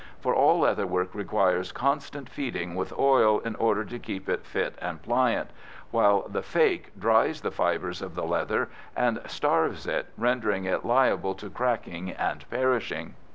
For all leatherwork requires constant feeding with oil in order to keep it fit and pliant, while the "fake" dries the fibres of the leather and starves it, rendering it liable to cracking and perishing.